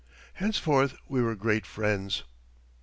Henceforth we were great friends.